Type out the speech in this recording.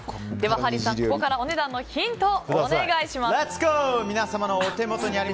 ハリーさん、ここからお値段のヒントをお願いします。